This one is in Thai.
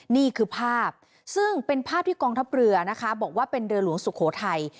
นี่คือภาพซึ่งเป็นภาพที่กองทัพเรือนะคะบอกว่าเป็นเรือหลวงสุโขทัย